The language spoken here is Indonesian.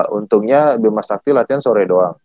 ya untungnya bima sakti latihan sore doang